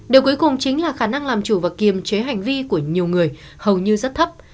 điều cuối cùng chính là khả năng làm chủ và kiềm chế hành vi của nhiều người hầu như rất thấp